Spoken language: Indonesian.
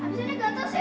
habis ini gata sih